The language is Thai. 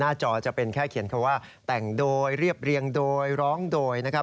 จอจะเป็นแค่เขียนคำว่าแต่งโดยเรียบเรียงโดยร้องโดยนะครับ